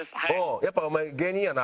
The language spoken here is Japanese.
やっぱお前芸人やな。